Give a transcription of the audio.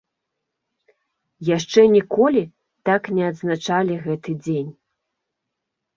Яшчэ ніколі так не адзначалі гэты дзень.